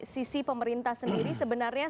sisi pemerintah sendiri sebenarnya